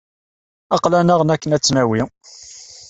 Aql-aneɣ-n akken ad tt-nawi.